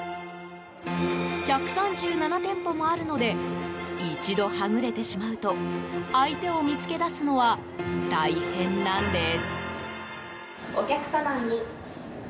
１３７店舗もあるので一度はぐれてしまうと相手を見つけ出すのは大変なんです。